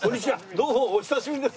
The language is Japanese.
どうもお久しぶりです。